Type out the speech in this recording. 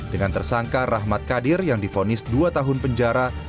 dengan tersangka rahmat kadir yang difonis dua tahun penjara